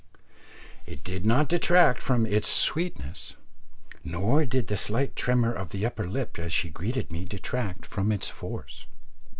It did not detract from its sweetness, nor did the slight tremor of the upper lip as she greeted me detract from its force.